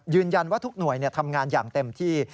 ยืนยันว่าทุกหน่วยทำงานอย่างเต็มที่